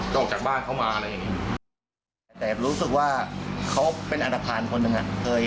ออกจากบ้านเขามาอะไรอย่างนี้แต่รู้สึกว่าเขาเป็นอันตภัณฑ์คนหนึ่งอ่ะเคย